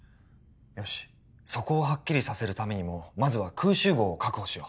よしそこをはっきりさせるためにもまずはクウシュウゴウを確保しよう